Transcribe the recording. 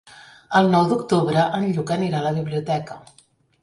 El nou d'octubre en Lluc anirà a la biblioteca.